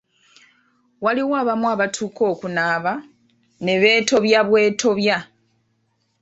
Waliwo abamu abatuuka okunaaba ne beetobya bwetobya.